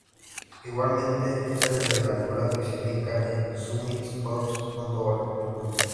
Igualmente, esa es la altura que se indica en summitpost.org.